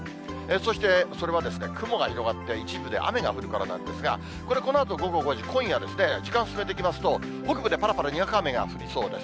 そして、それは雲が広がって、一部で雨が降るからなんですが、これはこのあと午後５時、今夜ですね、時間進めてきますと、北部でぱらぱらにわか雨が降りそうです。